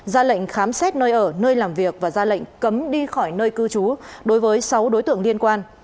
ra lệnh khám xét nơi ở nơi làm việc và ra lệnh cấm đi khỏi nơi cư trú đối với sáu đối tượng liên quan